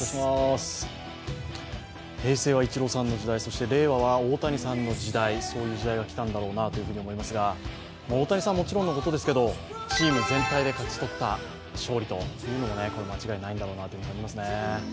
平成はイチローさんの時代、そして令和は大谷さんの時代、そういう時代が来たんだろうなと思いますけど、大谷さんはもちろんのことですけどチーム全体で勝ち取った勝利に間違いないと思いますね。